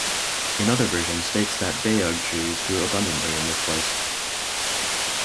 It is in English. Another version states that "bayug" trees grew abundantly in this place.